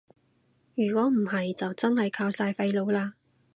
如果唔係就真係靠晒廢老喇